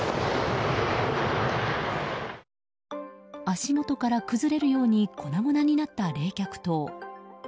足元から崩れるように粉々になった冷却塔。